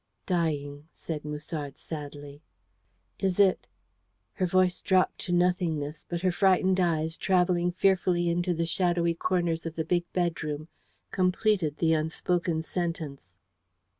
"Dying," said Musard sadly. "Is it...?" her voice dropped to nothingness, but her frightened eyes, travelling fearfully into the shadowy corners of the big bedroom, completed the unspoken sentence.